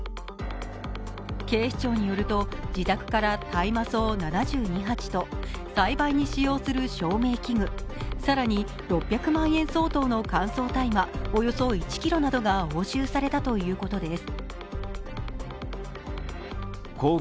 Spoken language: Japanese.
警視庁によると、自宅から大麻草７２鉢と栽培に使用する照明器具、更に６００万円相当の乾燥大麻およそ１ｋｇなどが押収されたということです。